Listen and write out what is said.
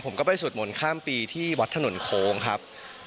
ผมก็ไปสวดมนต์ข้ามปีที่วัดถนนโค้งครับ